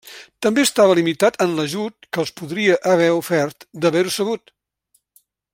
També estava limitat en l'ajut que els podria haver ofert d'haver-ho sabut.